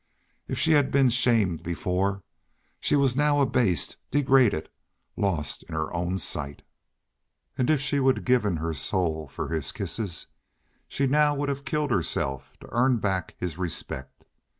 If she had been shamed before, she was now abased, degraded, lost in her own sight. And if she would have given her soul for his kisses, she now would have killed herself to earn back his respect.